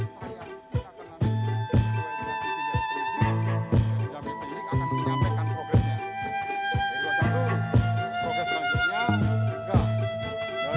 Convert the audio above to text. saya akan nanti saya akan menyampaikan programnya